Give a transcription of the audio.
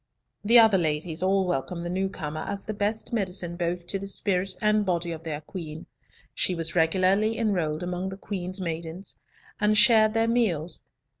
The other ladies all welcomed the newcomer as the best medicine both to the spirit and body of their Queen. She was regularly enrolled among the Queen's maidens, and shared their meals.